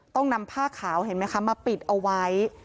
ต้องนำผ้าขาวเห็นไหมคะมาปิดเอาไว้